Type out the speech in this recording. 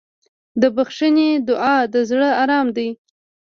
د بښنې دعا د زړه ارام دی.